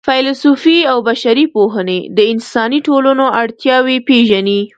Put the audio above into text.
فېلسوفي او بشري پوهنې د انساني ټولنو اړتیاوې پېژني.